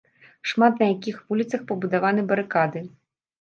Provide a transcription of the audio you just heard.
Шмат на якіх вуліцах пабудаваны барыкады.